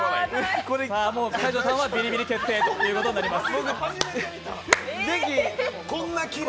もう大昇さんはビリビリ決定ということになります。